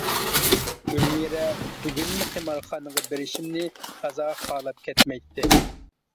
گۈلمىرە بۈگۈنمۇ قىمارخانىغا بېرىشىمنى تازا خالاپ كەتمەيتتى.